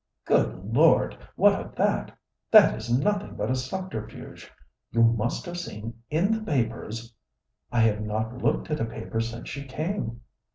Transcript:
"Good Lord! what of that? That is nothing but a subterfuge. You must have seen in the papers " "I have not looked at a paper since she came."